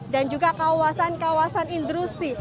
dan juga kawasan kawasan indrusi